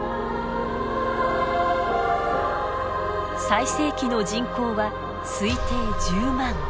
最盛期の人口は推定１０万。